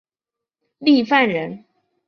郦范人。